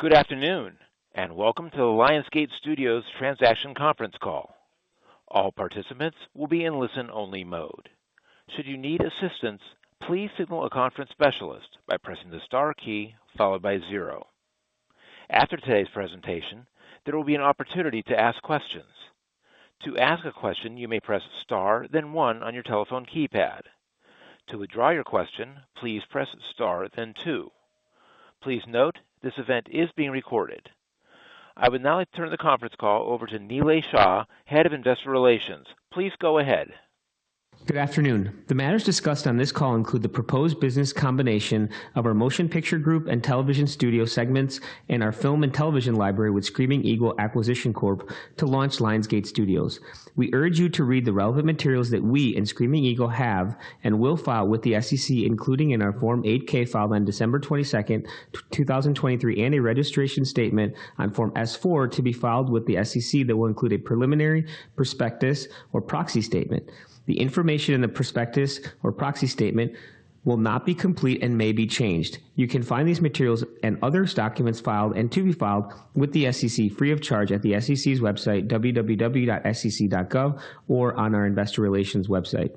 Good afternoon, and welcome to the Lionsgate Studios Transaction Conference Call. All participants will be in listen-only mode. Should you need assistance, please signal a conference specialist by pressing the star key followed by zero. After today's presentation, there will be an opportunity to ask questions. To ask a question, you may press star, then one on your telephone keypad. To withdraw your question, please press star, then two. Please note, this event is being recorded. I would now like to turn the conference call over to Nilay Shah, Head of Investor Relations. Please go ahead. Good afternoon. The matters discussed on this call include the proposed business combination of our motion picture group and television studio segments, and our film and television library with Screaming Eagle Acquisition Corp. to launch Lionsgate Studios. We urge you to read the relevant materials that we and Screaming Eagle have and will file with the SEC, including in our Form 8-K filed on December 22nd, 2023, and a registration statement on Form S-4 to be filed with the SEC that will include a preliminary prospectus or proxy statement. The information in the prospectus or proxy statement will not be complete and may be changed. You can find these materials and other documents filed and to be filed with the SEC free of charge at the SEC's website, www.sec.gov, or on our investor relations website.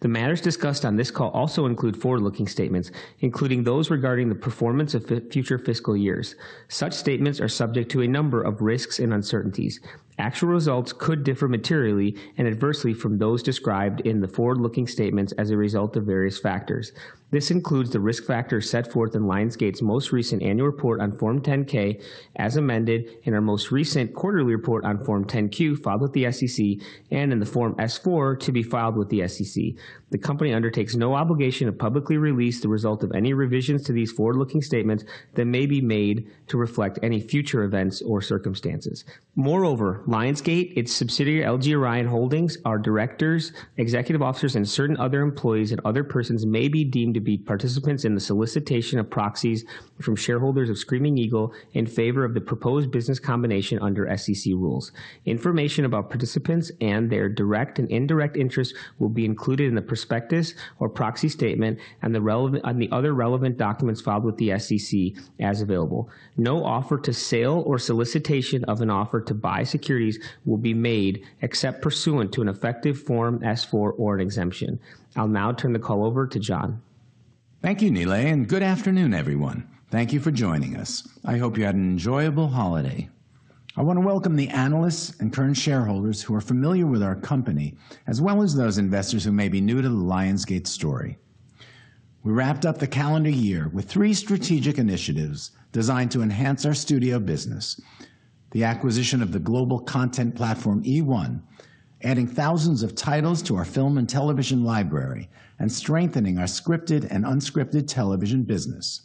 The matters discussed on this call also include forward-looking statements, including those regarding the performance of future fiscal years. Such statements are subject to a number of risks and uncertainties. Actual results could differ materially and adversely from those described in the forward-looking statements as a result of various factors. This includes the risk factors set forth in Lionsgate's most recent annual report on Form 10-K as amended in our most recent quarterly report on Form 10-Q, filed with the SEC and in the Form S-4 to be filed with the SEC. The company undertakes no obligation to publicly release the result of any revisions to these forward-looking statements that may be made to reflect any future events or circumstances. Moreover, Lionsgate, its subsidiary, LG Orion Holdings, our directors, executive officers, and certain other employees and other persons may be deemed to be participants in the solicitation of proxies from shareholders of Screaming Eagle in favor of the proposed business combination under SEC rules. Information about participants and their direct and indirect interests will be included in the prospectus or proxy statement and the relevant and the other relevant documents filed with the SEC, as available. No offer of sale or solicitation of an offer to buy securities will be made except pursuant to an effective Form S-4 or an exemption. I'll now turn the call over to Jon. Thank you, Nilay, and good afternoon, everyone. Thank you for joining us. I hope you had an enjoyable holiday. I want to welcome the analysts and current shareholders who are familiar with our company, as well as those investors who may be new to the Lionsgate story. We wrapped up the calendar year with three strategic initiatives designed to enhance our studio business. The acquisition of the global content platform, eOne, adding thousands of titles to our film and television library and strengthening our scripted and unscripted television business.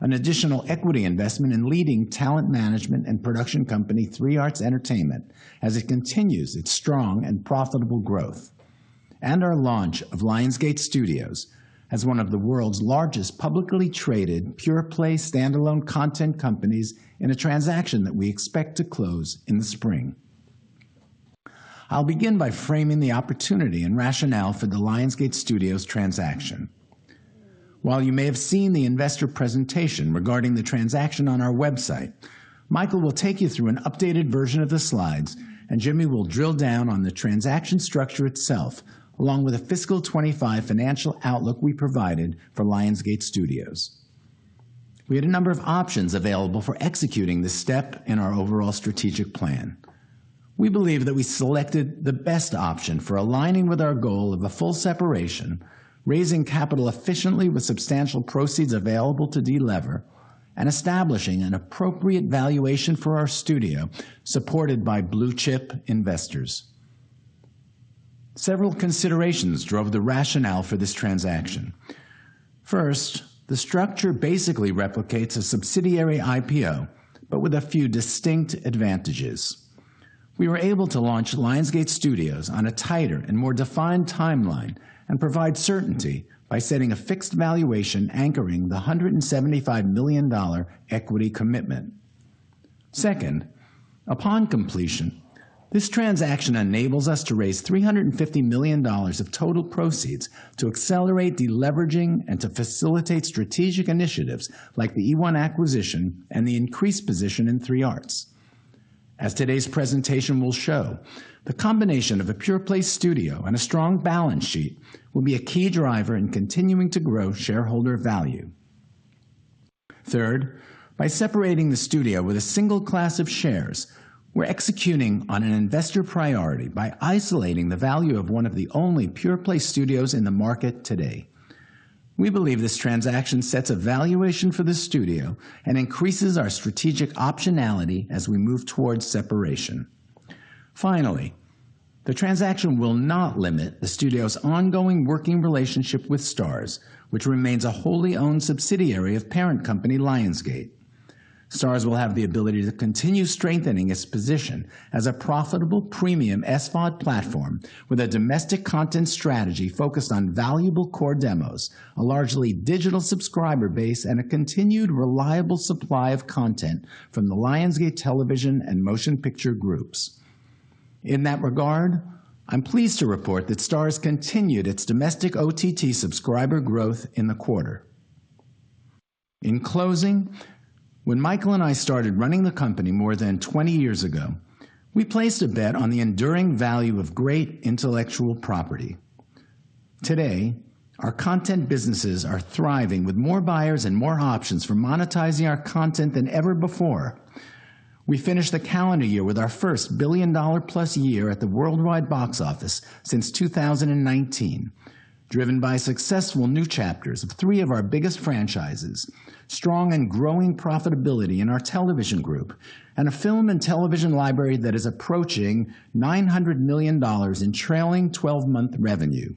An additional equity investment in leading talent management and production company, 3 Arts Entertainment, as it continues its strong and profitable growth. And our launch of Lionsgate Studios as one of the world's largest publicly traded, pure-play, standalone content companies in a transaction that we expect to close in the spring. I'll begin by framing the opportunity and rationale for the Lionsgate Studios transaction. While you may have seen the investor presentation regarding the transaction on our website, Michael will take you through an updated version of the slides, and Jimmy will drill down on the transaction structure itself, along with the fiscal 2025 financial outlook we provided for Lionsgate Studios. We had a number of options available for executing this step in our overall strategic plan. We believe that we selected the best option for aligning with our goal of a full separation, raising capital efficiently with substantial proceeds available to delever, and establishing an appropriate valuation for our studio, supported by blue-chip investors. Several considerations drove the rationale for this transaction. First, the structure basically replicates a subsidiary IPO, but with a few distinct advantages. We were able to launch Lionsgate Studios on a tighter and more defined timeline and provide certainty by setting a fixed valuation anchoring the $175 million equity commitment. Second, upon completion, this transaction enables us to raise $350 million of total proceeds to accelerate deleveraging and to facilitate strategic initiatives like the eOne acquisition and the increased position in 3 Arts. As today's presentation will show, the combination of a pure-play studio and a strong balance sheet will be a key driver in continuing to grow shareholder value. Third, by separating the studio with a single class of shares, we're executing on an investor priority by isolating the value of one of the only pure-play studios in the market today. We believe this transaction sets a valuation for the studio and increases our strategic optionality as we move towards separation. Finally, the transaction will not limit the studio's ongoing working relationship with Starz, which remains a wholly owned subsidiary of parent company, Lionsgate. Starz will have the ability to continue strengthening its position as a profitable premium SVOD platform with a domestic content strategy focused on valuable core demos, a largely digital subscriber base, and a continued reliable supply of content from the Lionsgate Television and motion picture groups.... In that regard, I'm pleased to report that Starz continued its domestic OTT subscriber growth in the quarter. In closing, when Michael and I started running the company more than 20 years ago, we placed a bet on the enduring value of great intellectual property. Today, our content businesses are thriving, with more buyers and more options for monetizing our content than ever before. We finished the calendar year with our first billion-dollar-plus year at the worldwide box office since 2019, driven by successful new chapters of three of our biggest franchises, strong and growing profitability in our television group, and a film and television library that is approaching $900 million in trailing 12 month revenue.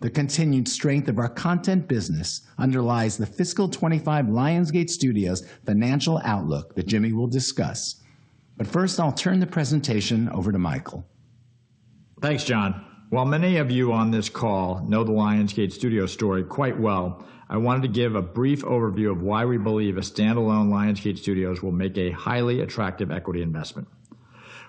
The continued strength of our content business underlies the fiscal 2025 Lionsgate Studios financial outlook that Jimmy will discuss. But first, I'll turn the presentation over to Michael. Thanks, Jon. While many of you on this call know the Lionsgate Studios story quite well, I wanted to give a brief overview of why we believe a standalone Lionsgate Studios will make a highly attractive equity investment.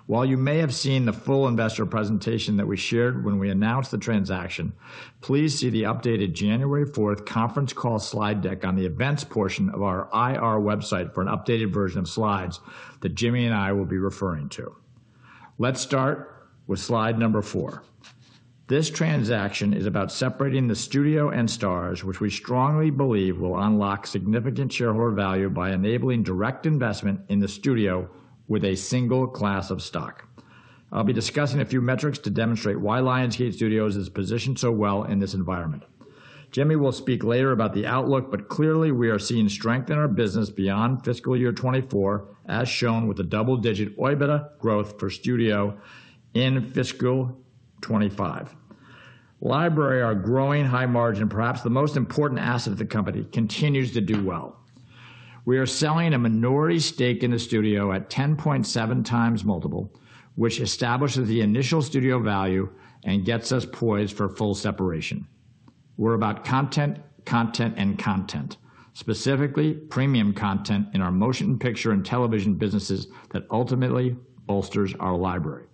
While you may have seen the full investor presentation that we shared when we announced the transaction, please see the updated January fourth conference call slide deck on the events portion of our IR website for an updated version of slides that Jimmy and I will be referring to. Let's start with slide number four. This transaction is about separating the Studio and Starz, which we strongly believe will unlock significant shareholder value by enabling direct investment in the Studio with a single class of stock. I'll be discussing a few metrics to demonstrate why Lionsgate Studios is positioned so well in this environment. Jimmy will speak later about the outlook, but clearly, we are seeing strength in our business beyond fiscal year 2024, as shown with the double-digit OIBDA growth for Studio in fiscal 2025. Library, our growing high-margin, perhaps the most important asset of the company, continues to do well. We are selling a minority stake in the Studio at 10.7x multiple, which establishes the initial Studio value and gets us poised for full separation. We're about content, content, and content, specifically premium content in our motion picture and television businesses that ultimately bolsters our library.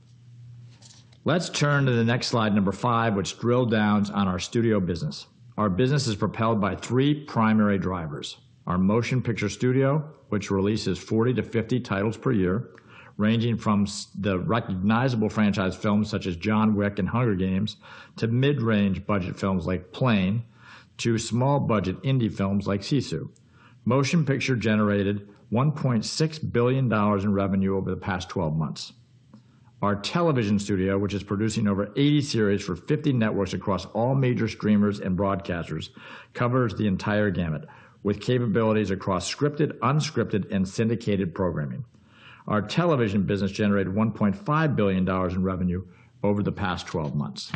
Let's turn to the next slide, number five, which drills down on our Studio business. Our business is propelled by three primary drivers: Our Motion Picture Studio, which releases 40 to 50 titles per year, ranging from the recognizable franchise films such as John Wick and Hunger Games, to mid-range budget films like Plane, to small-budget indie films like Sisu. Motion Picture generated $1.6 billion in revenue over the past 12 months. Our Television Studio, which is producing over 80 series for 50 networks across all major streamers and broadcasters, covers the entire gamut, with capabilities across scripted, unscripted, and syndicated programming. Our Television business generated $1.5 billion in revenue over the past 12 months.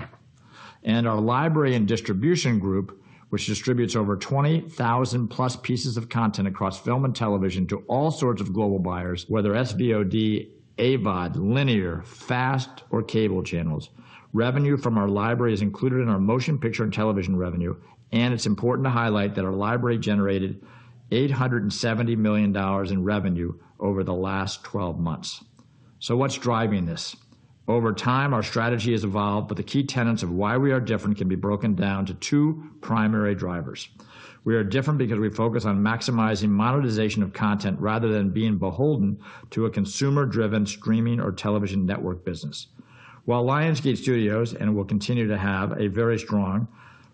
And our Library and Distribution Group, which distributes over 20,000+ pieces of content across film and television to all sorts of global buyers, whether SVOD, AVOD, linear, FAST or cable channels. Revenue from our Library is included in our Motion Picture and Television revenue, and it's important to highlight that our Library generated $870 million in revenue over the last 12 months. So what's driving this? Over time, our strategy has evolved, but the key tenets of why we are different can be broken down to two primary drivers. We are different because we focus on maximizing monetization of content rather than being beholden to a consumer-driven streaming or television network business. While Lionsgate Studios and will continue to have a very strong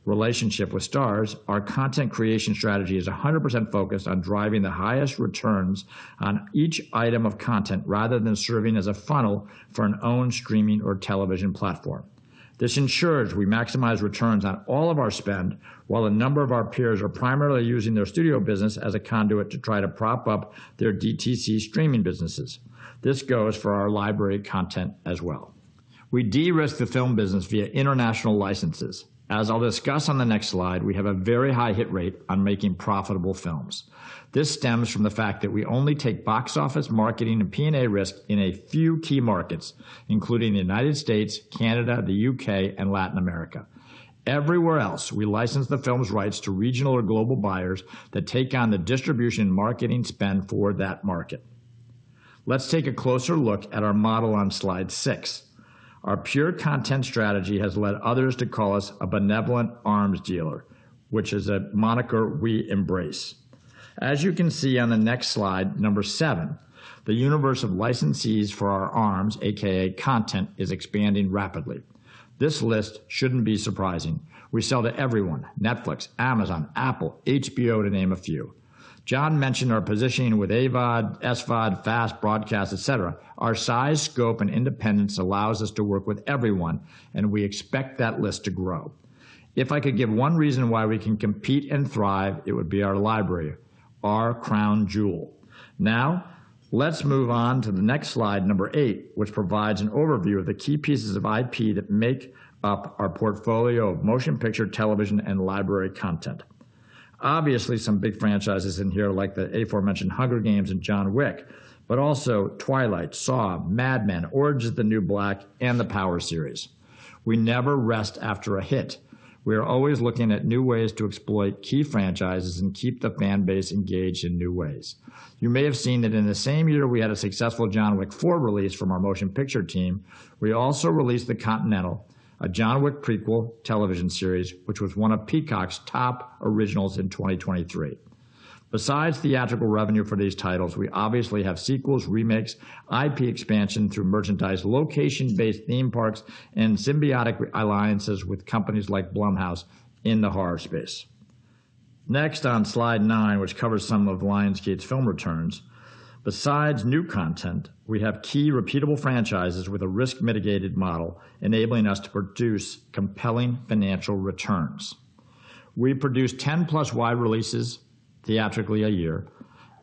relationship with Starz, our content creation strategy is 100% focused on driving the highest returns on each item of content, rather than serving as a funnel for an own streaming or television platform. This ensures we maximize returns on all of our spend, while a number of our peers are primarily using their Studio business as a conduit to try to prop up their DTC streaming businesses. This goes for our Library content as well. We de-risk the film business via international licenses. As I'll discuss on the next slide, we have a very high hit rate on making profitable films. This stems from the fact that we only take box office marketing and P&A risk in a few key markets, including the United States, Canada, the U.K., and Latin America. Everywhere else, we license the film's rights to regional or global buyers that take on the distribution marketing spend for that market. Let's take a closer look at our model on slide six. Our pure content strategy has led others to call us a benevolent arms dealer, which is a moniker we embrace. As you can see on the next slide seven, the universe of licensees for our arms, AKA content, is expanding rapidly. This list shouldn't be surprising. We sell to everyone, Netflix, Amazon, Apple, HBO, to name a few. Jon mentioned our positioning with AVOD, SVOD, FAST, broadcast, et cetera. Our size, scope, and independence allows us to work with everyone, and we expect that list to grow. If I could give one reason why we can compete and thrive, it would be our Library, our crown jewel. Now, let's move on to the next slide eight, which provides an overview of the key pieces of IP that make up our portfolio of Motion Picture, Television, and Library content.... Obviously, some big franchises in here, like the aforementioned Hunger Games and John Wick, but also Twilight, Saw, Mad Men, Orange Is the New Black, and the Power series. We never rest after a hit. We are always looking at new ways to exploit key franchises and keep the fan base engaged in new ways. You may have seen that in the same year, we had a successful John Wick: Four release from our motion picture team, we also released The Continental, a John Wick prequel television series, which was one of Peacock's top originals in 2023. Besides theatrical revenue for these titles, we obviously have sequels, remakes, IP expansion through merchandise, location-based theme parks, and symbiotic alliances with companies like Blumhouse in the horror space. Next on slide nine, which covers some of Lionsgate's film returns. Besides new content, we have key repeatable franchises with a risk-mitigated model, enabling us to produce compelling financial returns. We produce 10+ wide releases theatrically a year,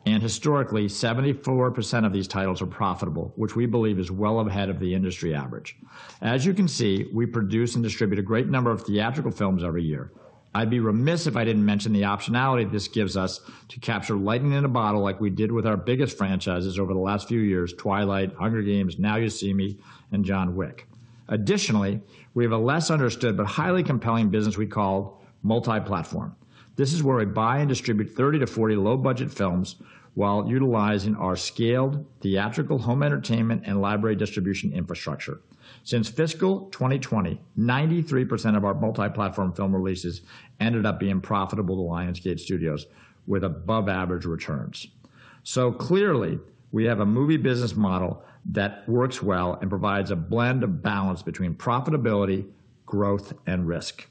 and historically, 74% of these titles are profitable, which we believe is well ahead of the industry average. As you can see, we produce and distribute a great number of theatrical films every year. I'd be remiss if I didn't mention the optionality this gives us to capture lightning in a bottle like we did with our biggest franchises over the last few years, Twilight, Hunger Games, Now You See Me, and John Wick. Additionally, we have a less understood but highly compelling business we call multi-platform. This is where we buy and distribute 30 to 40 low-budget films while utilizing our scaled theatrical home entertainment and library distribution infrastructure. Since fiscal 2020, 93% of our multi-platform film releases ended up being profitable to Lionsgate Studios with above average returns. So clearly, we have a movie business model that works well and provides a blend of balance between profitability, growth, and risk.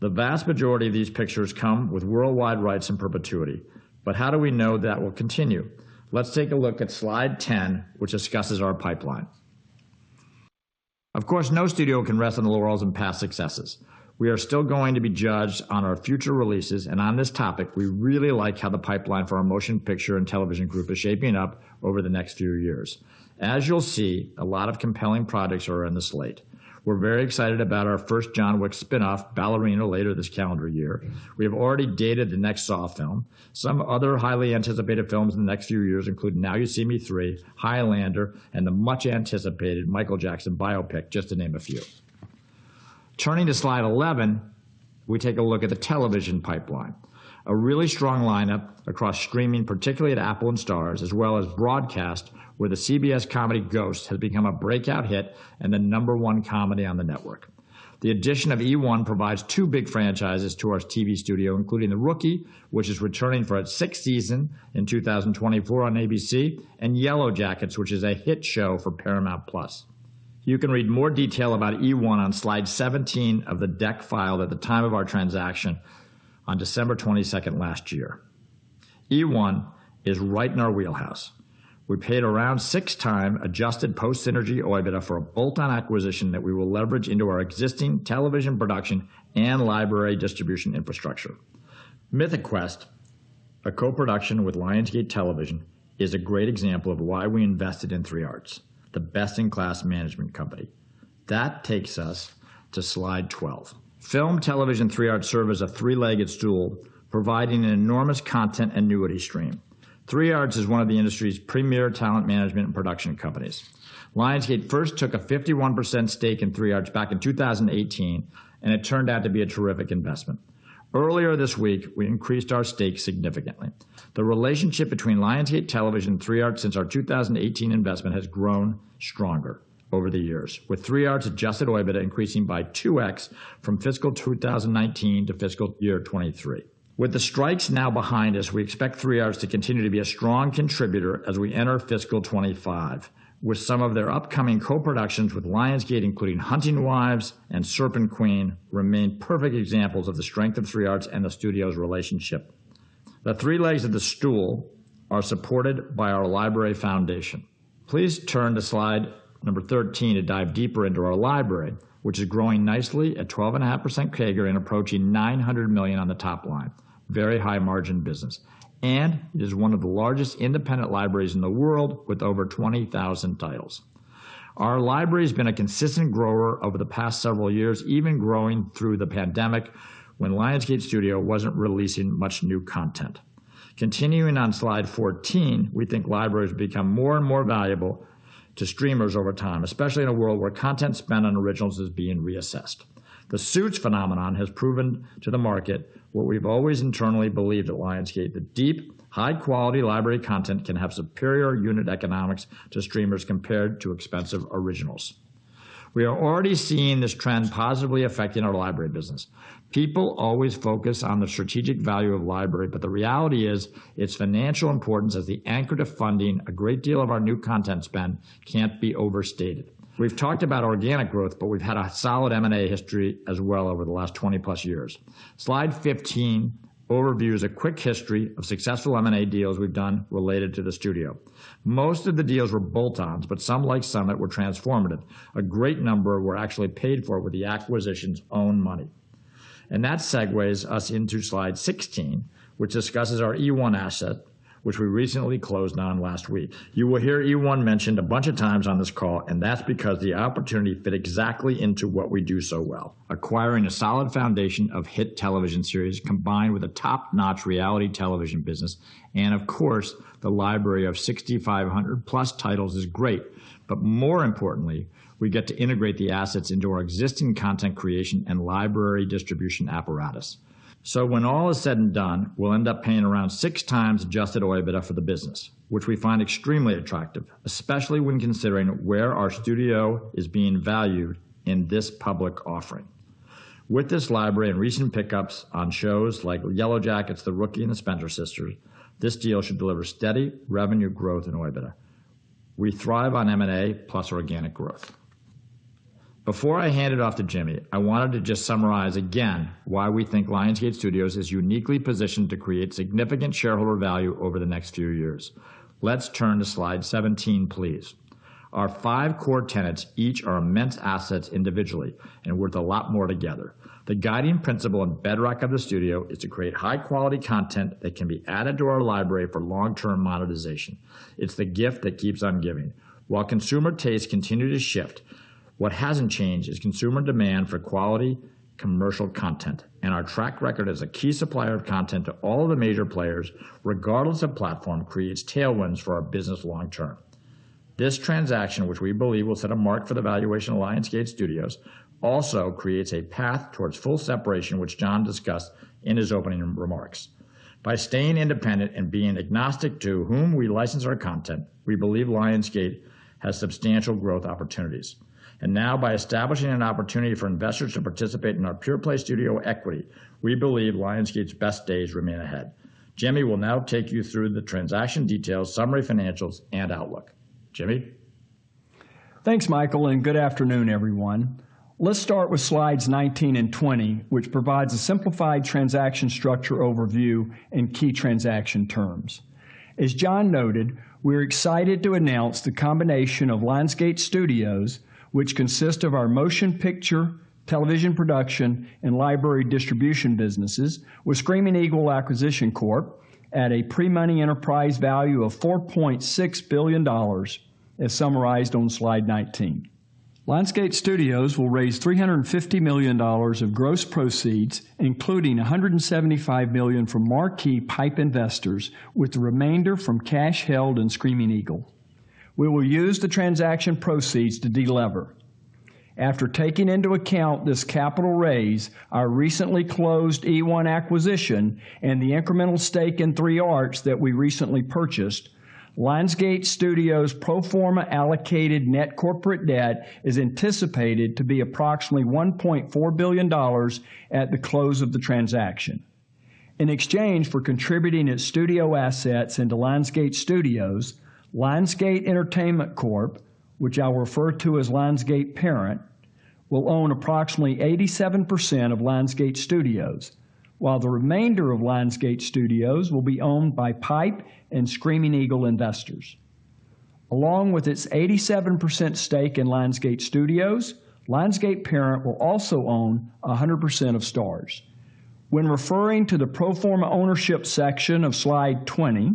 The vast majority of these pictures come with worldwide rights and perpetuity. But how do we know that will continue? Let's take a look at slide 10, which discusses our pipeline. Of course, no studio can rest on the laurels and past successes. We are still going to be judged on our future releases, and on this topic, we really like how the pipeline for our motion picture and television group is shaping up over the next few years. As you'll see, a lot of compelling products are in the slate. We're very excited about our first John Wick spin-off, Ballerina, later this calendar year. We have already dated the next Saw film. Some other highly anticipated films in the next few years include Now You See Me 3, Highlander, and the much-anticipated Michael Jackson biopic, just to name a few. Turning to slide 11, we take a look at the television pipeline. A really strong lineup across streaming, particularly at Apple and Starz, as well as broadcast, where the CBS comedy Ghosts has become a breakout hit and the number one comedy on the network. The addition of eOne provides two big franchises to our TV studio, including The Rookie, which is returning for its sixth season in 2024 on ABC, and Yellowjackets, which is a hit show for Paramount+. You can read more detail about eOne on slide 17 of the deck filed at the time of our transaction on December 22nd last year. eOne is right in our wheelhouse. We paid around 6x adjusted post-synergy OIBDA for a bolt-on acquisition that we will leverage into our existing television production and library distribution infrastructure. Mythic Quest, a co-production with Lionsgate Television, is a great example of why we invested in 3 Arts, the best-in-class management company. That takes us to slide 12. Film, television, 3 Arts serve as a three-legged stool, providing an enormous content annuity stream. 3 Arts is one of the industry's premier talent management and production companies. Lionsgate first took a 51% stake in 3 Arts back in 2018, and it turned out to be a terrific investment. Earlier this week, we increased our stake significantly. The relationship between Lionsgate Television and 3 Arts since our 2018 investment has grown stronger over the years, with 3 Arts Adjusted OIBDA increasing by 2x from fiscal 2019 to fiscal year 2023. With the strikes now behind us, we expect 3 Arts to continue to be a strong contributor as we enter fiscal 2025, with some of their upcoming co-productions with Lionsgate, including Hunting Wives and Serpent Queen, remain perfect examples of the strength of 3 Arts and the studio's relationship. The three legs of the stool are supported by our library foundation. Please turn to slide number 13 to dive deeper into our library, which is growing nicely at 12.5% CAGR and approaching $900 million on the top line. Very high-margin business, and it is one of the largest independent libraries in the world with over 20,000 titles. Our library has been a consistent grower over the past several years, even growing through the pandemic when Lionsgate Studios wasn't releasing much new content. Continuing on slide 14, we think libraries become more and more valuable to streamers over time, especially in a world where content spent on originals is being reassessed. The Suits phenomenon has proven to the market what we've always internally believed at Lionsgate, that deep, high-quality library content can have superior unit economics to streamers compared to expensive originals. We are already seeing this trend positively affecting our library business. People always focus on the strategic value of library, but the reality is, its financial importance as the anchor to funding a great deal of our new content spend, can't be overstated. We've talked about organic growth, but we've had a solid M&A history as well over the last 20+ years. Slide 15 overviews a quick history of successful M&A deals we've done related to the studio. Most of the deals were bolt-ons, but some, like Summit, were transformative. A great number were actually paid for with the acquisition's own money. And that segues us into slide 16, which discusses our eOne asset... which we recently closed on last week. You will hear eOne mentioned a bunch of times on this call, and that's because the opportunity fit exactly into what we do so well. Acquiring a solid foundation of hit television series, combined with a top-notch reality television business, and of course, the library of 6,500+ titles is great. But more importantly, we get to integrate the assets into our existing content creation and library distribution apparatus. So when all is said and done, we'll end up paying around 6x Adjusted OIBDA for the business, which we find extremely attractive, especially when considering where our studio is being valued in this public offering. With this library and recent pickups on shows like Yellowjackets, The Rookie, and The Spencer Sisters, this deal should deliver steady revenue growth in OIBDA. We thrive on M&A plus organic growth. Before I hand it off to Jimmy, I wanted to just summarize again, why we think Lionsgate Studios is uniquely positioned to create significant shareholder value over the next few years. Let's turn to slide 17, please. Our five core tenets each are immense assets individually and worth a lot more together. The guiding principle and bedrock of the studio is to create high-quality content that can be added to our library for long-term monetization. It's the gift that keeps on giving. While consumer tastes continue to shift, what hasn't changed is consumer demand for quality, commercial content, and our track record as a key supplier of content to all the major players, regardless of platform, creates tailwinds for our business long term. This transaction, which we believe will set a mark for the valuation of Lionsgate Studios, also creates a path towards full separation, which Jon discussed in his opening remarks. By staying independent and being agnostic to whom we license our content, we believe Lionsgate has substantial growth opportunities. And now, by establishing an opportunity for investors to participate in our pure-play studio equity, we believe Lionsgate's best days remain ahead. Jimmy will now take you through the transaction details, summary financials, and outlook. Jimmy? Thanks, Michael, and good afternoon, everyone. Let's start with slides 19 and 20, which provides a simplified transaction structure overview and key transaction terms. As Jon noted, we're excited to announce the combination of Lionsgate Studios, which consists of our motion picture, television production, and library distribution businesses, with Screaming Eagle Acquisition Corp., at a pre-money enterprise value of $4.6 billion, as summarized on slide 19. Lionsgate Studios will raise $350 million of gross proceeds, including $175 million from marquee PIPE investors, with the remainder from cash held in Screaming Eagle. We will use the transaction proceeds to delever. After taking into account this capital raise, our recently closed eOne acquisition and the incremental stake in 3 Arts that we recently purchased, Lionsgate Studios' pro forma allocated net corporate debt is anticipated to be approximately $1.4 billion at the close of the transaction. In exchange for contributing its studio assets into Lionsgate Studios, Lions Gate Entertainment Corp, which I'll refer to as Lionsgate Parent, will own approximately 87% of Lionsgate Studios, while the remainder of Lionsgate Studios will be owned by PIPE and Screaming Eagle investors. Along with its 87% stake in Lionsgate Studios, Lionsgate Parent will also own 100% of Starz. When referring to the pro forma ownership section of slide 20,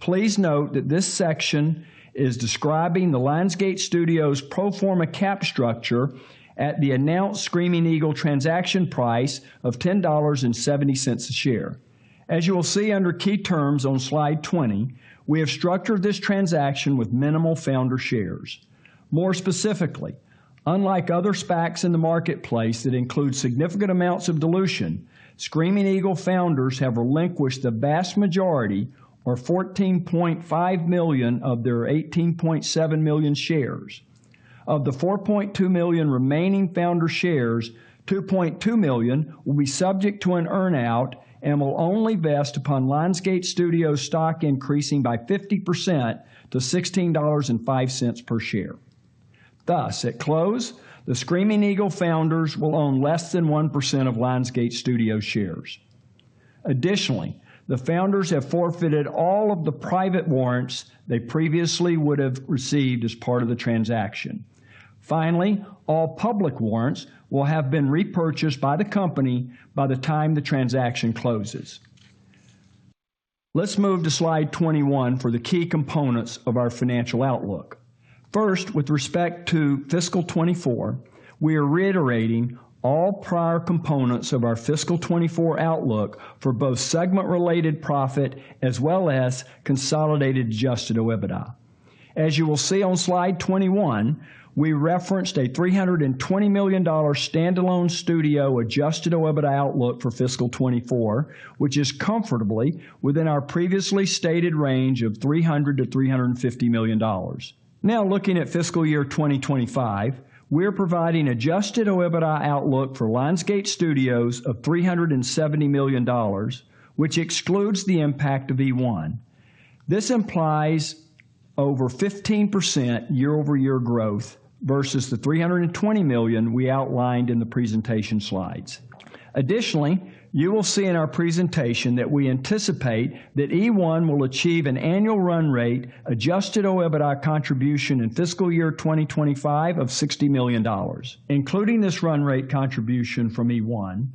please note that this section is describing the Lionsgate Studios pro forma cap structure at the announced Screaming Eagle transaction price of $10.70 a share. As you will see under key terms on slide 20, we have structured this transaction with minimal founder shares. More specifically, unlike other SPACs in the marketplace that include significant amounts of dilution, Screaming Eagle founders have relinquished the vast majority or 14.5 million of their 18.7 million shares. Of the 4.2 million remaining founder shares, 2.2 million will be subject to an earn-out and will only vest upon Lionsgate Studios' stock increasing by 50% to $16.05 per share. Thus, at close, the Screaming Eagle founders will own less than 1% of Lionsgate Studios shares. Additionally, the founders have forfeited all of the private warrants they previously would have received as part of the transaction. Finally, all public warrants will have been repurchased by the company by the time the transaction closes. Let's move to slide 21 for the key components of our financial outlook. First, with respect to fiscal 2024, we are reiterating all prior components of our fiscal 2024 outlook for both segment-related profit as well as consolidated adjusted OIBDA. As you will see on slide 21, we referenced a $320 million standalone studio adjusted OIBDA outlook for fiscal 2024, which is comfortably within our previously stated range of $300 million-$350 million. Now, looking at fiscal year 2025, we're providing adjusted OIBDA outlook for Lionsgate Studios of $370 million, which excludes the impact of eOne. This implies over 15% year-over-year growth versus the $320 million we outlined in the presentation slides. Additionally, you will see in our presentation that we anticipate that eOne will achieve an annual run rate, adjusted OIBDA contribution in fiscal year 2025 of $60 million. Including this run rate contribution from eOne,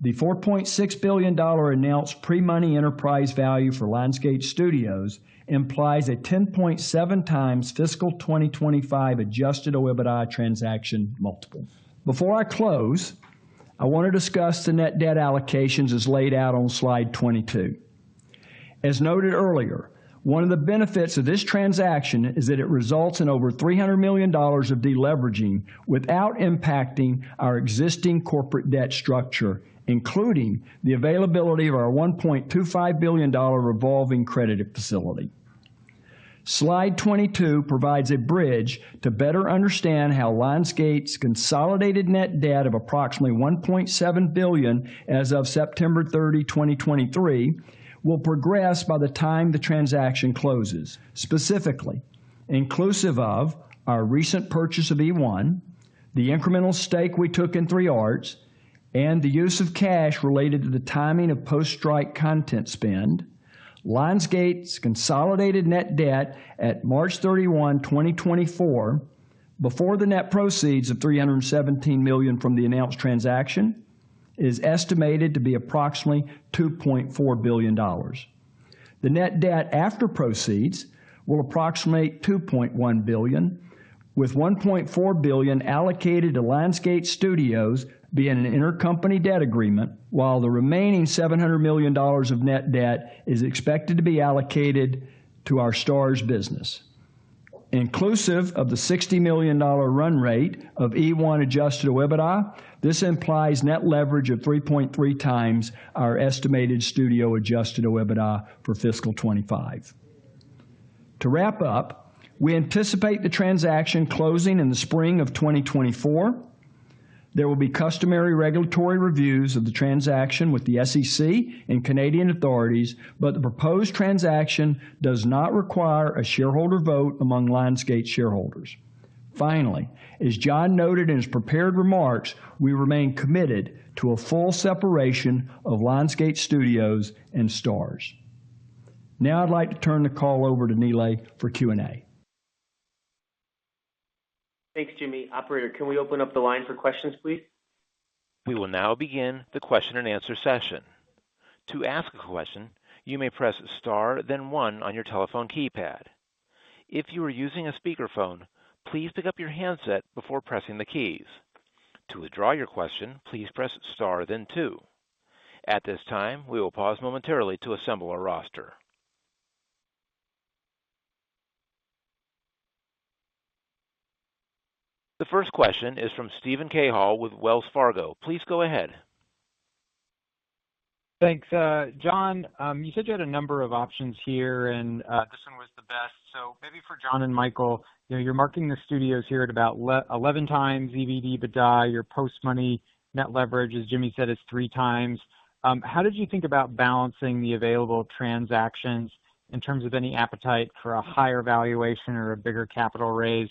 the $4.6 billion announced pre-money enterprise value for Lionsgate Studios implies a 10.7x fiscal 2025 adjusted OIBDA transaction multiple. Before I close, I want to discuss the net debt allocations as laid out on slide 22. As noted earlier, one of the benefits of this transaction is that it results in over $300 million of deleveraging without impacting our existing corporate debt structure, including the availability of our $1.25 billion revolving credit facility. Slide 22 provides a bridge to better understand how Lionsgate's consolidated net debt of approximately $1.7 billion as of September 30, 2023, will progress by the time the transaction closes. Specifically, inclusive of our recent purchase of eOne, the incremental stake we took in 3 Arts, and the use of cash related to the timing of post-strike content spend, Lionsgate's consolidated net debt at March 31, 2024, before the net proceeds of $317 million from the announced transaction, is estimated to be approximately $2.4 billion. The net debt after proceeds will approximate $2.1 billion, with $1.4 billion allocated to Lionsgate Studios via an intercompany debt agreement, while the remaining $700 million of net debt is expected to be allocated to our Starz business. Inclusive of the $60 million run rate of eOne adjusted EBITDA, this implies net leverage of 3.3x our estimated studio adjusted EBITDA for fiscal 2025. To wrap up, we anticipate the transaction closing in the spring of 2024. There will be customary regulatory reviews of the transaction with the SEC and Canadian authorities, but the proposed transaction does not require a shareholder vote among Lionsgate shareholders. Finally, as Jon noted in his prepared remarks, we remain committed to a full separation of Lionsgate Studios and Starz. Now I'd like to turn the call over to Nilay for Q&A. Thanks, Jimmy. Operator, can we open up the line for questions, please? We will now begin the question-and-answer session. To ask a question, you may press star, then one on your telephone keypad. If you are using a speakerphone, please pick up your handset before pressing the keys. To withdraw your question, please press star, then two. At this time, we will pause momentarily to assemble our roster. The first question is from Steven Cahall with Wells Fargo. Please go ahead. Thanks. Jon, you said you had a number of options here, and this one was the best. So maybe for Jon and Michael, you know, you're marking the studios here at about 11x EBITDA. Your post-money net leverage, as Jimmy said, is 3x. How did you think about balancing the available transactions in terms of any appetite for a higher valuation or a bigger capital raise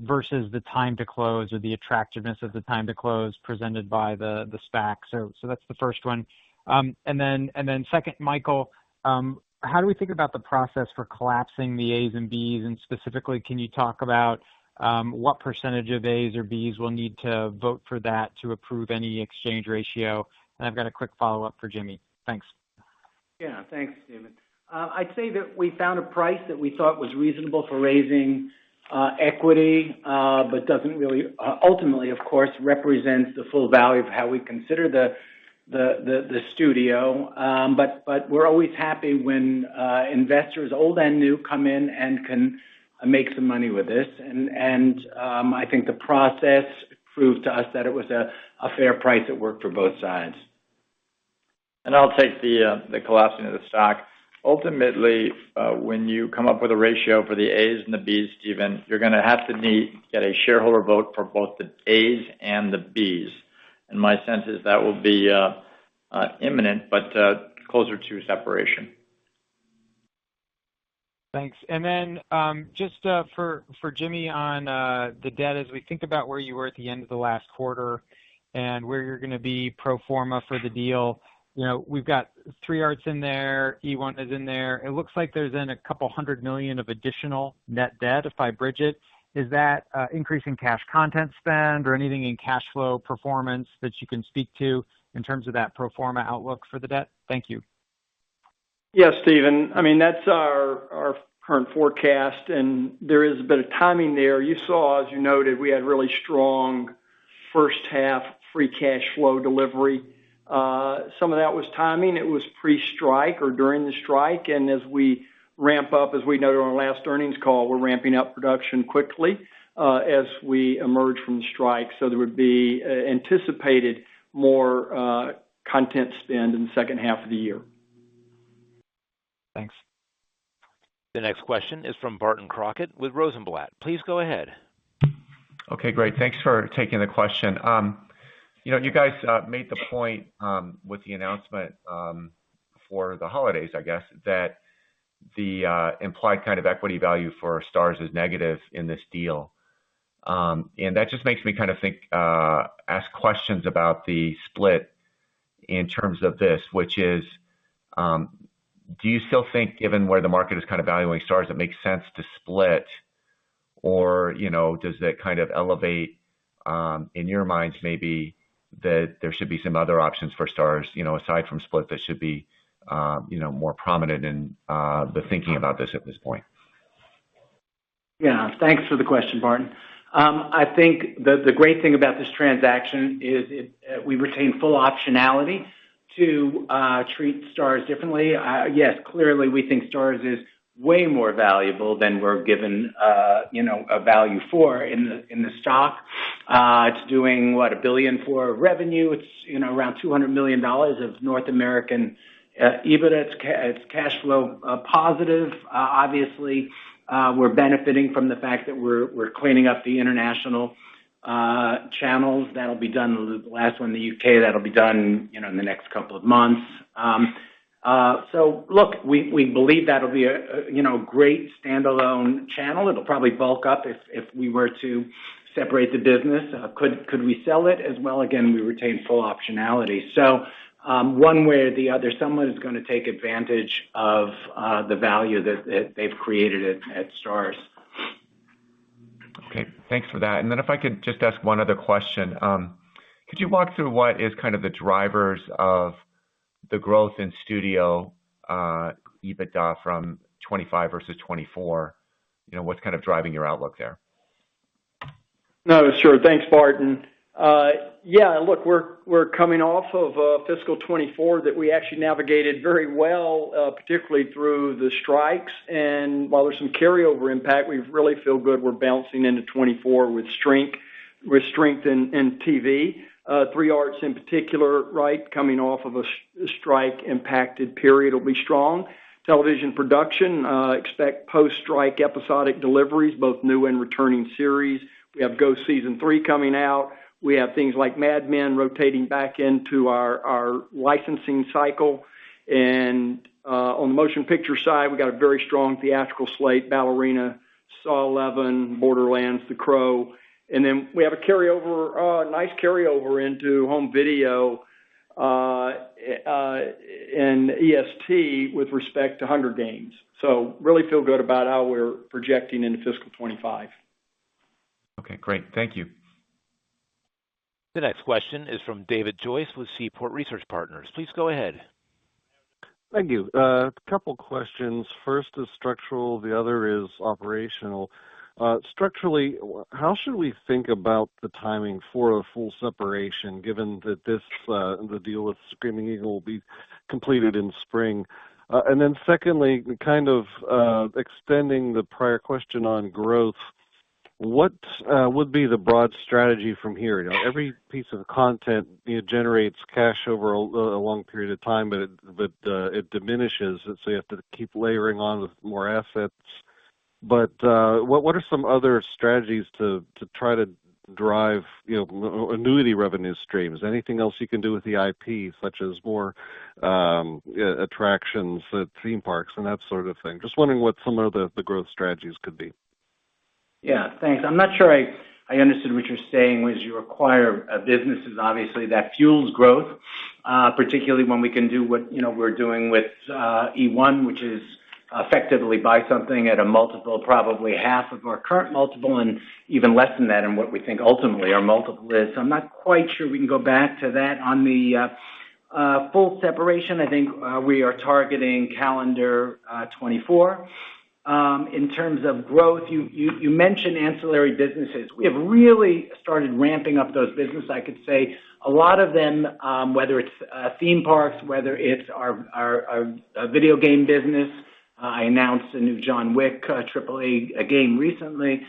versus the time to close or the attractiveness of the time to close presented by the SPAC? So that's the first one. And then second, Michael, how do we think about the process for collapsing the A's and B's? And specifically, can you talk about what percentage of A's or B's will need to vote for that to approve any exchange ratio? I've got a quick follow-up for Jimmy. Thanks. Yeah. Thanks, Stephen. I'd say that we found a price that we thought was reasonable for raising equity, but doesn't really ultimately, of course, represents the full value of how we consider the studio. But we're always happy when investors, old and new, come in and can make some money with this. I think the process proved to us that it was a fair price that worked for both sides. I'll take the collapsing of the stock. Ultimately, when you come up with a ratio for the A's and the B's, Stephen, you're gonna have to get a shareholder vote for both the A's and the B's. My sense is that will be imminent, but closer to separation. Thanks. And then, just, for Jimmy on the debt, as we think about where you were at the end of the last quarter and where you're gonna be pro forma for the deal, you know, we've got 3 Arts in there, eOne is in there. It looks like there's then $200 million of additional net debt, if I bridge it. Is that increase in cash content spend or anything in cash flow performance that you can speak to in terms of that pro forma outlook for the debt? Thank you. Yeah, Stephen. I mean, that's our current forecast, and there is a bit of timing there. You saw, as you noted, we had really strong first half free cash flow delivery. Some of that was timing. It was pre-strike or during the strike, and as we ramp up, as we noted on our last earnings call, we're ramping up production quickly, as we emerge from the strike. So there would be anticipated more content spend in the second half of the year. Thanks. The next question is from Barton Crockett with Rosenblatt. Please go ahead. Okay, great. Thanks for taking the question. You know, you guys made the point with the announcement for the holidays, I guess, that the implied kind of equity value for Starz is negative in this deal. And that just makes me kind of think ask questions about the split in terms of this, which is, do you still think, given where the market is kind of valuing Starz, it makes sense to split? Or, you know, does it kind of elevate in your minds, maybe, that there should be some other options for Starz, you know, aside from split, that should be, you know, more prominent in the thinking about this at this point?... Yeah, thanks for the question, Barton. I think the great thing about this transaction is it we retain full optionality to treat Starz differently. Yes, clearly, we think Starz is way more valuable than we're given, you know, a value for in the stock. It's doing, what? $1 billion for revenue. It's, you know, around $200 million of North American EBITDA. It's cash flow positive. Obviously, we're benefiting from the fact that we're cleaning up the international channels. That'll be done, the last one in the U.K., that'll be done, you know, in the next couple of months. So look, we believe that'll be a great standalone channel. It'll probably bulk up if we were to separate the business. Could we sell it? As well, again, we retain full optionality. So, one way or the other, someone is gonna take advantage of the value that they've created at Starz. Okay, thanks for that. And then if I could just ask one other question. Could you walk through what is kind of the drivers of the growth in Studio, EBITDA from 2025 versus 2024? You know, what's kind of driving your outlook there? No, sure. Thanks, Barton. Yeah, look, we're coming off of fiscal 2024 that we actually navigated very well, particularly through the strikes. And while there's some carryover impact, we really feel good we're bouncing into 2024 with strength in TV. 3 Arts, in particular, right, coming off of a strike-impacted period, will be strong. Television production, expect post-strike episodic deliveries, both new and returning series. We have Ghosts Season 3 coming out. We have things like Mad Men rotating back into our licensing cycle. And, on the motion picture side, we've got a very strong theatrical slate, Ballerina, Saw XI, Borderlands, The Crow. And then we have a carryover, a nice carryover into home video, and EST with respect to Hunger Games. So really feel good about how we're projecting into fiscal 2025. Okay, great. Thank you. The next question is from David Joyce with Seaport Research Partners. Please go ahead. Thank you. A couple questions. First is structural, the other is operational. Structurally, how should we think about the timing for a full separation, given that this, the deal with Screaming Eagle will be completed in spring? And then secondly, kind of, extending the prior question on growth, what would be the broad strategy from here? You know, every piece of content, you know, generates cash over a long period of time, but it, but it diminishes, and so you have to keep layering on with more assets. But what are some other strategies to try to drive, you know, annuity revenue streams? Anything else you can do with the IP, such as more attractions at theme parks and that sort of thing? Just wondering what some of the growth strategies could be. Yeah, thanks. I'm not sure I understood what you're saying was you acquire businesses, obviously, that fuels growth, particularly when we can do what, you know, we're doing with eOne, which is effectively buy something at a multiple, probably half of our current multiple, and even less than that, and what we think ultimately our multiple is. I'm not quite sure we can go back to that. On the full separation, I think we are targeting calendar 2024. In terms of growth, you mentioned ancillary businesses. We have really started ramping up those businesses. I could say a lot of them, whether it's theme parks, whether it's our video game business, I announced a new John Wick AAA game recently.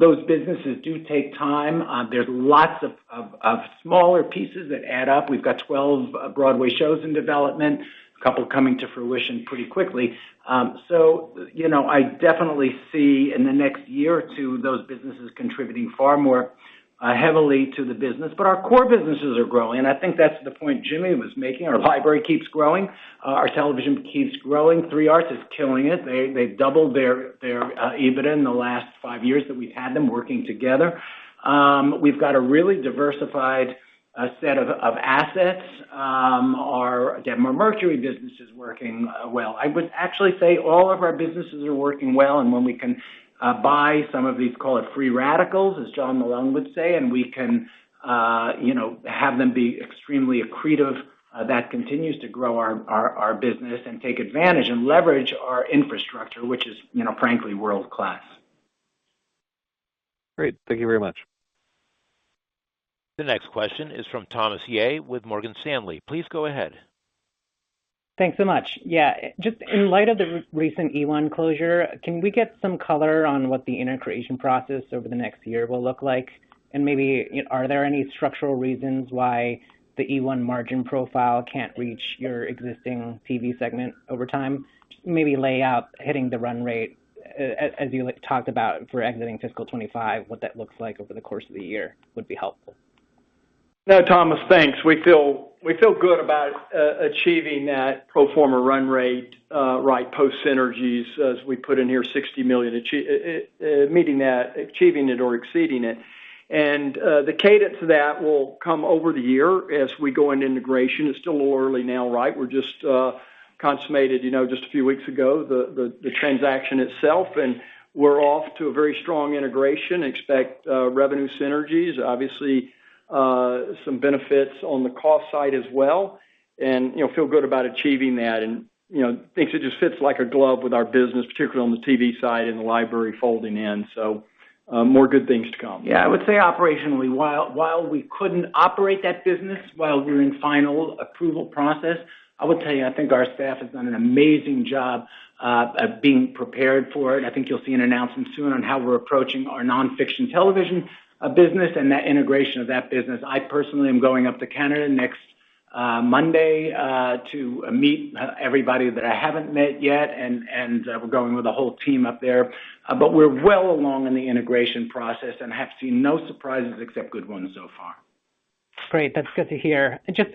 Those businesses do take time. There's lots of smaller pieces that add up. We've got 12 Broadway shows in development, a couple coming to fruition pretty quickly. So, you know, I definitely see in the next year or two, those businesses contributing far more heavily to the business. But our core businesses are growing, and I think that's the point Jimmy was making. Our library keeps growing, our television keeps growing. 3 Arts is killing it. They've doubled their EBITDA in the last five years that we've had them working together. We've got a really diversified set of assets. Our Debmar-Mercury business is working well. I would actually say all of our businesses are working well, and when we can buy some of these, call it free radicals, as John Malone would say, and we can, you know, have them be extremely accretive, that continues to grow our, our, our business and take advantage and leverage our infrastructure, which is, you know, frankly, world-class. Great. Thank you very much. The next question is from Thomas Yeh with Morgan Stanley. Please go ahead. Thanks so much. Yeah, just in light of the recent eOne closure, can we get some color on what the integration process over the next year will look like? And maybe, are there any structural reasons why the eOne margin profile can't reach your existing TV segment over time? Maybe lay out hitting the run rate, as you like talked about for exiting fiscal 2025, what that looks like over the course of the year would be helpful. No, Thomas, thanks. We feel good about achieving that pro forma run rate, right, post synergies, as we put in here, $60 million, achieving meeting that, achieving it or exceeding it. The cadence of that will come over the year as we go into integration. It's still a little early now, right? We're just consummated, you know, just a few weeks ago, the transaction itself, and we're off to a very strong integration. Expect revenue synergies, obviously, some benefits on the cost side as well, and, you know, feel good about achieving that. And, you know, think it just fits like a glove with our business, particularly on the TV side and the library folding in. So, more good things to come. Yeah, I would say operationally, while we couldn't operate that business while we're in final approval process, I would tell you, I think our staff has done an amazing job at being prepared for it. I think you'll see an announcement soon on how we're approaching our nonfiction television business and that integration of that business. I personally am going up to Canada next Monday to meet everybody that I haven't met yet, and we're going with a whole team up there. But we're well along in the integration process and have seen no surprises except good ones so far. Great. That's good to hear. Just,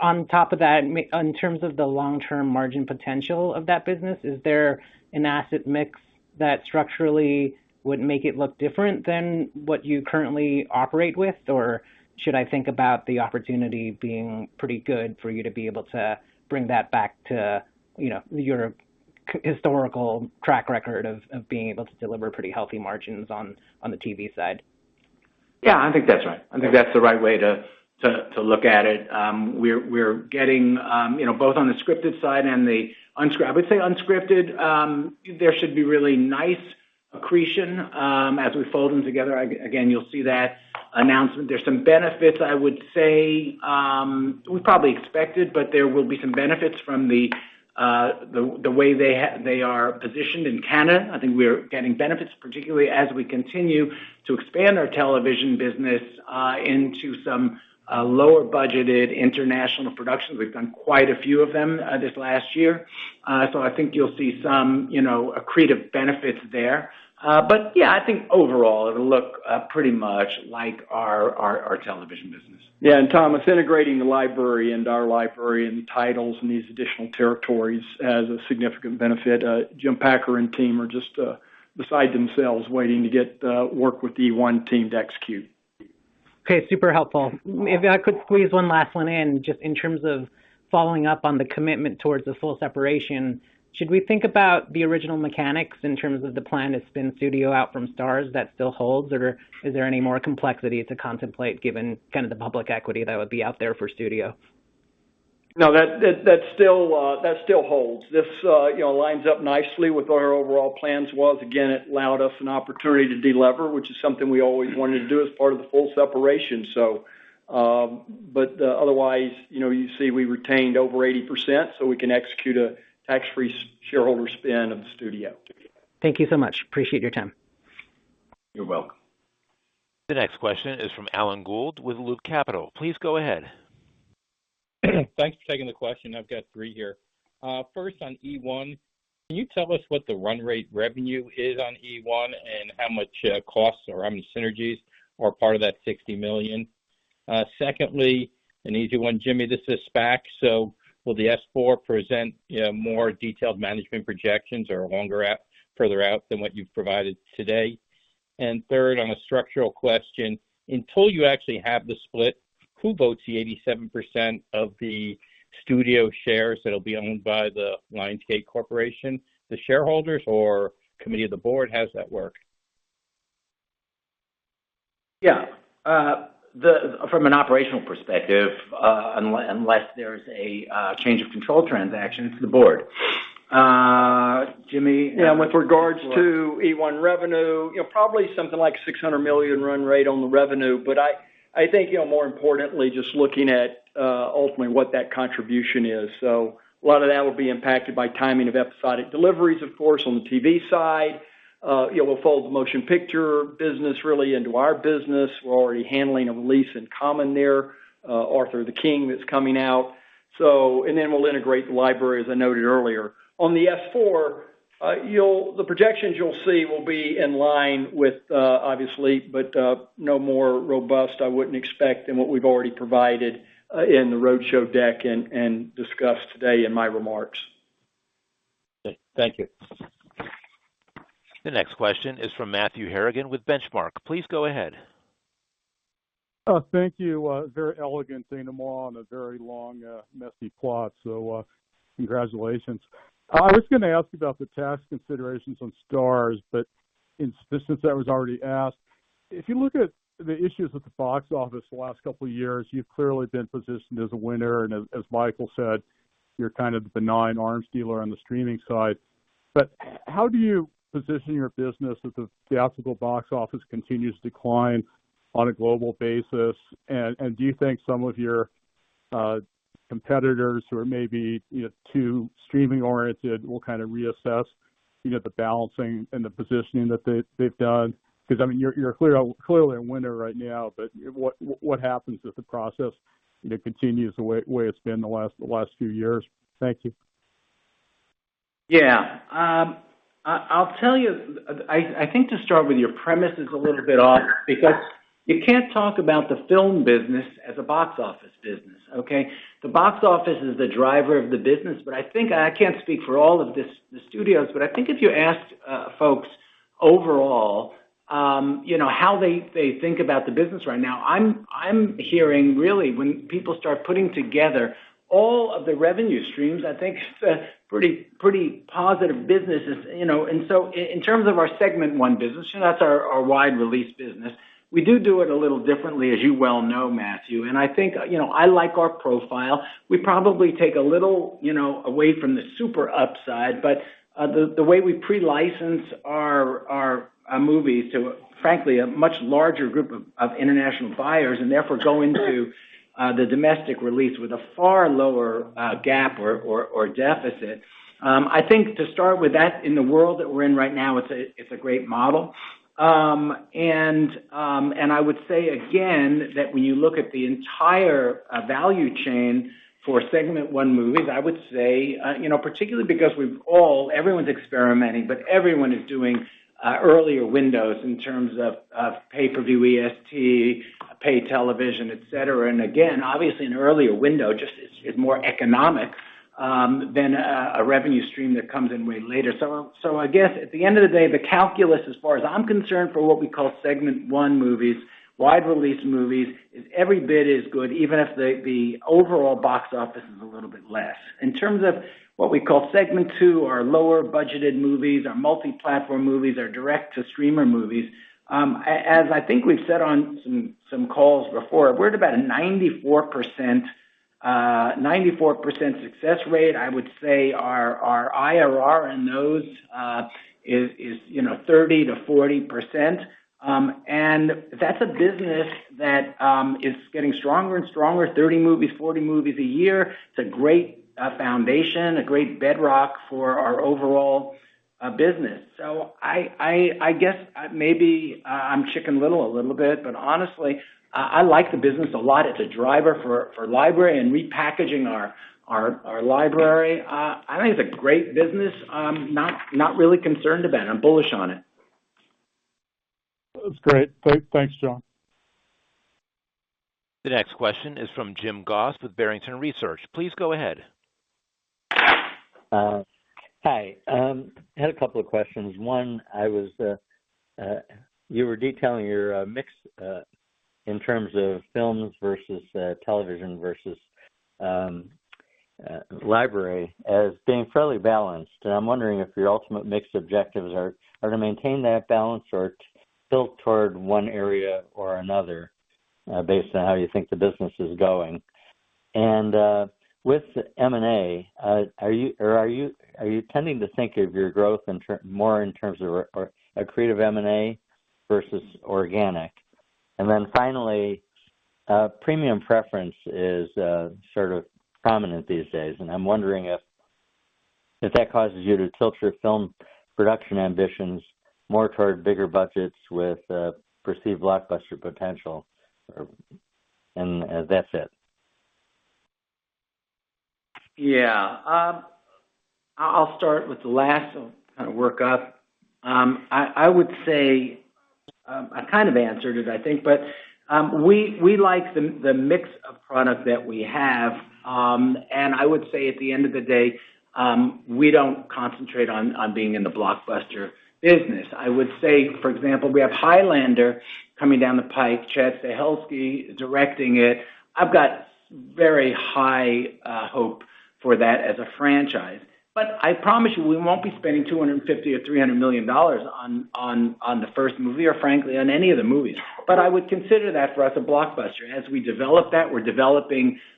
on top of that, in terms of the long-term margin potential of that business, is there an asset mix that structurally would make it look different than what you currently operate with? Or should I think about the opportunity being pretty good for you to be able to bring that back to, you know, your historical track record of, of being able to deliver pretty healthy margins on, on the TV side? Yeah, I think that's right. I think that's the right way to look at it. We're getting, you know, both on the scripted side and the unscripted. I would say unscripted, there should be really nice accretion as we fold them together. Again, you'll see that announcement. There's some benefits, I would say, we probably expected, but there will be some benefits from the way they are positioned in Canada. I think we're getting benefits, particularly as we continue to expand our television business into some lower-budgeted international productions. We've done quite a few of them this last year. So I think you'll see some, you know, accretive benefits there. But yeah, I think overall it'll look pretty much like our television business. Yeah, and Tom, it's integrating the library into our library and the titles in these additional territories as a significant benefit. Jim Packer and team are just, beside themselves, waiting to get, work with the eOne team to execute. Okay, super helpful. If I could squeeze one last one in, just in terms of following up on the commitment towards the full separation, should we think about the original mechanics in terms of the plan to spin studio out from Starz, that still holds? Or is there any more complexity to contemplate given kind of the public equity that would be out there for studio? No, that still holds. This, you know, lines up nicely with what our overall plans was. Again, it allowed us an opportunity to delever, which is something we always wanted to do as part of the full separation. So, but, otherwise, you know, you see we retained over 80%, so we can execute a tax-free shareholder spin of the studio. Thank you so much. Appreciate your time. You're welcome. The next question is from Alan Gould with Loop Capital. Please go ahead. Thanks for taking the question. I've got three here. First, on eOne, can you tell us what the run rate revenue is on eOne, and how much costs or how many synergies are part of that $60 million? Secondly, an easy one, Jimmy, this is back. So will the S-4 present more detailed management projections or longer out, further out than what you've provided today? And third, on a structural question: until you actually have the split, who votes the 87% of the studio shares that'll be owned by the Lionsgate? The shareholders or committee of the board? How does that work? Yeah. From an operational perspective, unless there's a change of control transaction, it's the board. Jimmy? Yeah, with regards to eOne revenue, you know, probably something like $600 million run rate on the revenue. But I think, you know, more importantly, just looking at ultimately what that contribution is. So a lot of that will be impacted by timing of episodic deliveries, of course, on the TV side. It will fold the motion picture business really into our business. We're already handling a release in common there, Arthur the King, that's coming out. So and then we'll integrate the library, as I noted earlier. On the S-4, the projections you'll see will be in line with, obviously, but no more robust, I wouldn't expect, than what we've already provided in the roadshow deck and discussed today in my remarks. Okay, thank you. The next question is from Matthew Harrigan with Benchmark. Please go ahead. Thank you. Very elegant thing tomorrow on a very long, messy plot. So, congratulations. I was gonna ask about the tax considerations on Starz, but since that was already asked, if you look at the issues with the box office the last couple of years, you've clearly been positioned as a winner, and as Michael said, you're kind of the benign arms dealer on the streaming side. But how do you position your business as the theatrical box office continues to decline on a global basis? And do you think some of your competitors who are maybe, you know, too streaming-oriented, will kind of reassess, you know, the balancing and the positioning that they've done? Because, I mean, you're clearly a winner right now, but what happens if the process, you know, continues the way it's been the last few years? Thank you. Yeah. I'll tell you, I think to start with, your premise is a little bit off because you can't talk about the film business as a box office business, okay? The box office is the driver of the business, but I think... I can't speak for all of the the studios, but I think if you asked, folks overall, you know, how they think about the business right now. I'm hearing really, when people start putting together all of the revenue streams, I think it's a pretty positive businesses, you know. And so in terms of our segment one business, you know, that's our wide-release business. We do do it a little differently, as you well know, Matthew, and I think, you know, I like our profile. We probably take a little, you know, away from the super upside, but the way we pre-license our movies to, frankly, a much larger group of international buyers, and therefore, go into the domestic release with a far lower gap or deficit. I think to start with that in the world that we're in right now, it's a great model. And I would say again, that when you look at the entire value chain for segment one movies, I would say, you know, particularly because we've all- everyone's experimenting, but everyone is doing earlier windows in terms of pay-per-view SVOD, pay television, et cetera. And again, obviously, an earlier window just is more economic than a revenue stream that comes in way later. So I guess at the end of the day, the calculus, as far as I'm concerned, for what we call segment one movies, wide-release movies, is every bit as good, even if the overall box office is a little bit less. In terms of what we call segment two or lower-budgeted movies or multi-platform movies or direct-to-streamer movies, as I think we've said on some calls before, we're at about a 94% success rate. I would say our IRR in those is, you know, 30%-40%. And that's a business that is getting stronger and stronger. 30 movies, 40 movies a year, it's a great foundation, a great bedrock for our overall business. So I guess maybe I'm Chicken Little a little bit, but honestly, I like the business a lot. It's a driver for library and repackaging our library. I think it's a great business. I'm not really concerned about it. I'm bullish on it. That's great. Thanks, Jon. The next question is from Jim Goss with Barrington Research. Please go ahead. Hi. I had a couple of questions. One, I was. You were detailing your mix in terms of films versus television versus library as being fairly balanced. And I'm wondering if your ultimate mix objectives are, are to maintain that balance or tilt toward one area or another, based on how you think the business is going. And, with M&A, are you- or are you- are you tending to think of your growth in term- more in terms of or accretive M&A versus organic? And then finally, premium preference is sort of prominent these days, and I'm wondering if, if that causes you to tilt your film production ambitions more toward bigger budgets with perceived blockbuster potential or. And, that's it. Yeah. I'll start with the last one, kind of work up. I would say I kind of answered it, I think, but we like the mix of product that we have. And I would say, at the end of the day, we don't concentrate on being in the blockbuster business. I would say, for example, we have Highlander coming down the pike, Chad Stahelski directing it. I've got very high hope for that as a franchise. But I promise you, we won't be spending $250 million or $300 million on the first movie, or frankly, on any of the movies. But I would consider that for us, a blockbuster. As we develop that,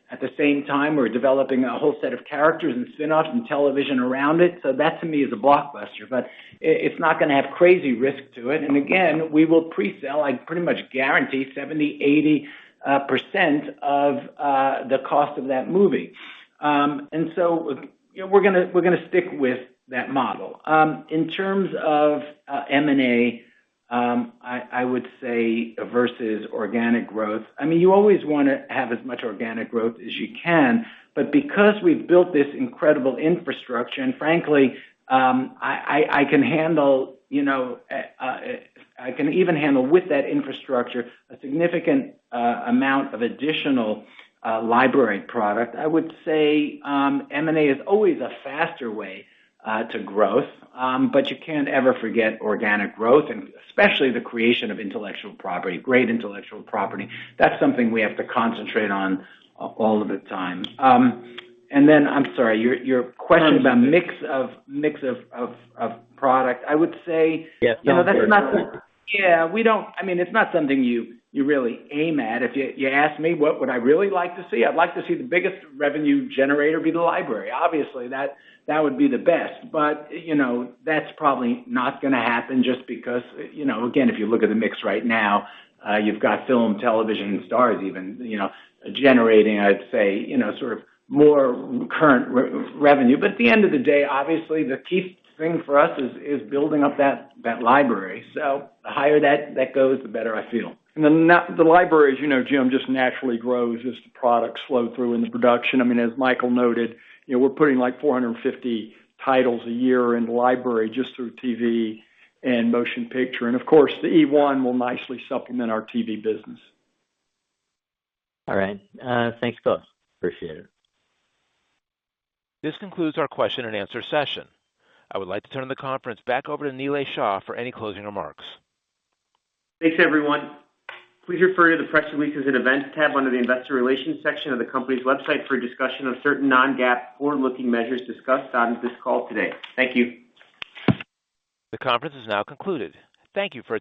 at the same time we're developing a whole set of characters and spinoffs and television around it. So that, to me, is a blockbuster, but it's not gonna have crazy risk to it. And again, we will pre-sell, I pretty much guarantee 70, 80% of the cost of that movie. And so, you know, we're gonna stick with that model. In terms of M&A, I would say versus organic growth, I mean, you always wanna have as much organic growth as you can, but because we've built this incredible infrastructure, and frankly, I can handle, you know, I can even handle with that infrastructure, a significant amount of additional library product. I would say, M&A is always a faster way to growth, but you can't ever forget organic growth, and especially the creation of intellectual property, great intellectual property. That's something we have to concentrate on all of the time. And then... I'm sorry, your question about mix of product. I would say- Yes. You know, that's not— Yeah, we don't— I mean, it's not something you really aim at. If you ask me, what would I really like to see? I'd like to see the biggest revenue generator be the library. Obviously, that would be the best, but, you know, that's probably not gonna happen just because, you know, again, if you look at the mix right now, you've got film, television, and Starz even, you know, generating, I'd say, you know, sort of more current revenue. But at the end of the day, obviously, the key thing for us is building up that library. So the higher that goes, the better I feel. Then, now, the library, as you know, Jim, just naturally grows as the products flow through in the production. I mean, as Michael noted, you know, we're putting, like, 450 titles a year in the library, just through TV and motion picture. Of course, the eOne will nicely supplement our TV business. All right. Thanks, folks. Appreciate it. This concludes our question and answer session. I would like to turn the conference back over to Nilay Shah for any closing remarks. Thanks, everyone. Please refer to the Press Releases and Events tab under the Investor Relations section of the company's website for a discussion of certain non-GAAP forward-looking measures discussed on this call today. Thank you. The conference is now concluded. Thank you for your participation.